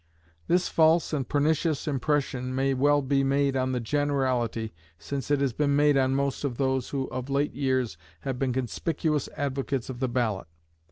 This false and pernicious impression may well be made on the generality, since it has been made on most of those who of late years have been conspicuous advocates of the ballot.